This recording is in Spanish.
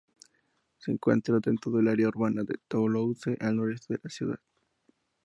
Se encuentra dentro del área urbana de Toulouse, al noreste de la ciudad.